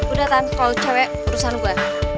udah tan kalo cewek urusan gua